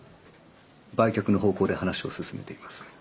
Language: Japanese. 売却の方向で話を進めています。